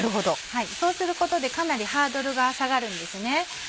そうすることでかなりハードルが下がるんですね。